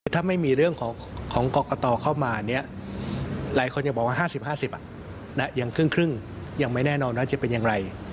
ถ้าไม่มีเรื่องของกรกตเข้ามาเนี่ยหลายคนยังบอกว่า๕๐๕๐ยังครึ่งยังไม่แน่นอนว่าจะเป็นอย่างไร